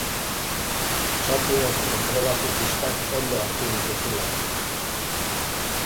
Sartu eta konprobatu pistak ondo hartu dituzula.